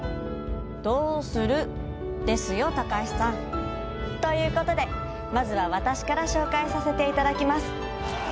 「どうする」ですよ高橋さん。ということでまずは私から紹介させていただきます。